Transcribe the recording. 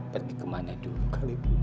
pergi kemana dulu kali ini